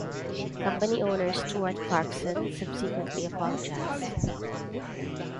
Company owner Stuart Clarkson subsequently apologised.